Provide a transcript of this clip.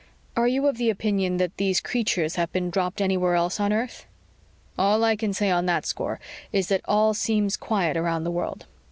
"Are you of the opinion that these creatures have been dropped anywhere else on earth?" "All I can say on that score is that all seems quiet around the world.